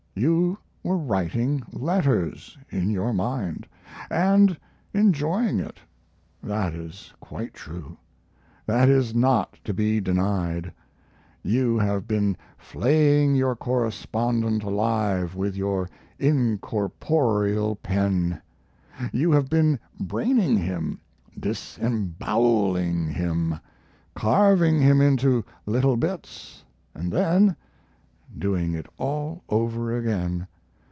You were writing letters in your mind. And enjoying it, that is quite true; that is not to be denied. You have been flaying your correspondent alive with your incorporeal pen; you have been braining him, disemboweling him, carving him into little bits, and then doing it all over again.